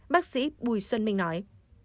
bác sĩ bùi xuân minh nói